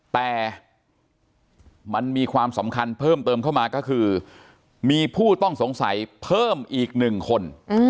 แต่มันมีความสำคัญเพิ่มเติมเข้ามาก็คือมีผู้ต้องสงสัยเพิ่มอีก๑คน